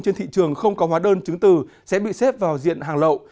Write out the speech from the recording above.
trên thị trường không có hóa đơn chứng từ sẽ bị xếp vào diện hàng lậu